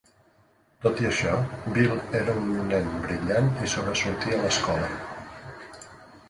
Tot i això, Bill era un nen brillant i sobresortia a l'escola.